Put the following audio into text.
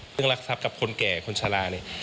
เรื่องรักษัพกับคนแก่คนชะลาเนี่ย